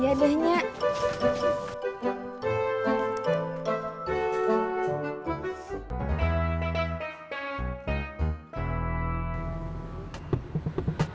iya deh nyak